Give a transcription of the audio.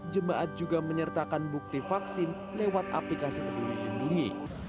jemaat juga menyertakan bukti vaksin lewat aplikasi peduli lindungi